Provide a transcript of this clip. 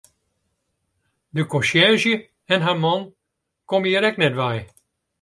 De konsjerzje en har man komme hjir ek net wei.